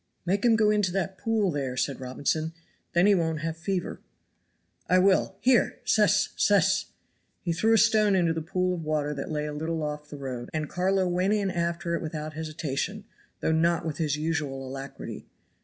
"Make him go into that pool, there," said Robinson; "then he won't have fever." "I will; here cess! cess!" He threw a stone into the pool of water that lay a little off the road, and Carlo went in after it without hesitation, though not with his usual alacrity.